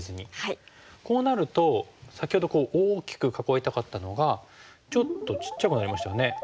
こうなると先ほど大きく囲いたかったのがちょっとちっちゃくなりましたよね。